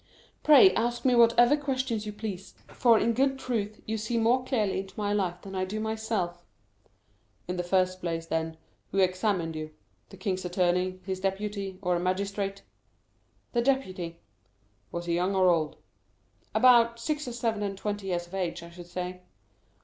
"Pray ask me whatever questions you please; for, in good truth, you see more clearly into my life than I do myself." "In the first place, then, who examined you,—the king's attorney, his deputy, or a magistrate?" "The deputy." "Was he young or old?" "About six or seven and twenty years of age, I should say."